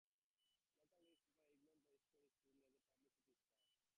Local newspapers ignored the story, seeing it as a publicity stunt.